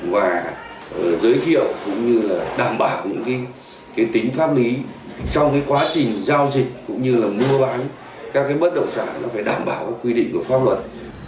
và giới thiệu cũng như đảm bảo tính pháp lý trong quá trình giao dịch cũng như mua bán các bất động sản đảm bảo quy định của pháp luật